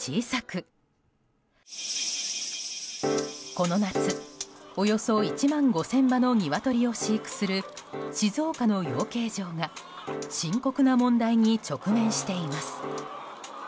この夏およそ１万５０００羽のニワトリを飼育する静岡の養鶏場が深刻な問題に直面しています。